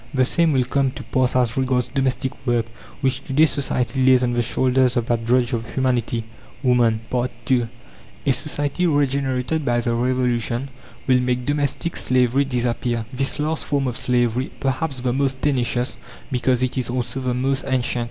The same will come to pass as regards domestic work, which to day society lays on the shoulders of that drudge of humanity woman. II A society regenerated by the Revolution will make domestic slavery disappear this last form of slavery, perhaps the most tenacious, because it is also the most ancient.